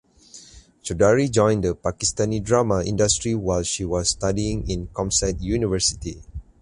Chaudhary joined the Pakistani Drama industry while she was studying in Comsat University.